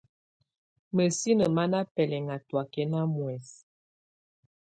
Mǝ́sini má ná bɛlɛŋá tɔákɛna muɛsɛ.